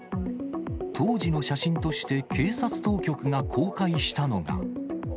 当時の写真として警察当局が公開したのが。